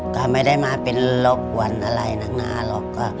ก็ไม่ได้มาเป็นรบกวนอะไรนักหน้าหรอก